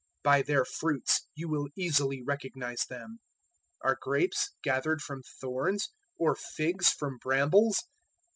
007:016 By their fruits you will easily recognize them. Are grapes gathered from thorns or figs from brambles?